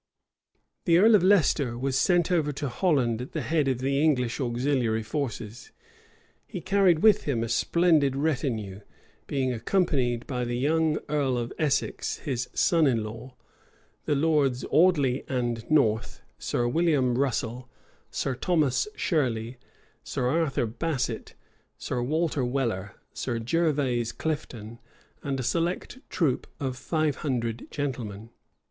The earl of Leicester was sent over to Holland at the head of the English auxiliary forces. He carried with him a splendid retinue; being accompanied by the young earl of Essex, his son in law, the lords Audley and North, Sir William Russel, Sir Thomas Shirley, Sir Arthur Basset, Sir Walter Waller, Sir Gervase Clifton, and a select troop of five hundred gentlemen.